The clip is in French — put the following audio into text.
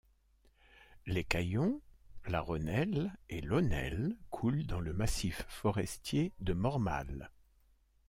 L'Ecaillon, la Rhônelle et l'Aunelle coulent dans le massif forestier de Mormal.